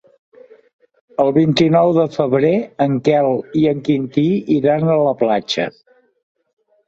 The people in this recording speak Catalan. El vint-i-nou de febrer en Quel i en Quintí iran a la platja.